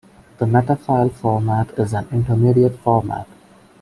The metafile format is an intermediate format.